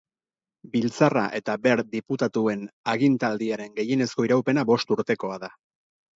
Biltzarra eta ber diputatuen agintaldiaren gehienezko iraupena bost urtekoa da.